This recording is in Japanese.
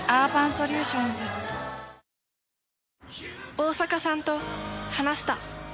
大坂さんと話した。